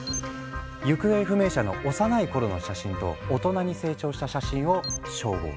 行方不明者の幼い頃の写真と大人に成長した写真を照合。